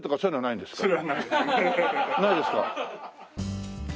ないですか？